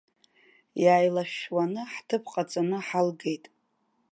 Иааилашәшәуаны ҳҭыԥ ҟаҵаны ҳалгеит.